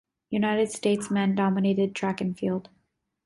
United States men dominated track and field.